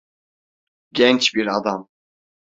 Genç bir adam.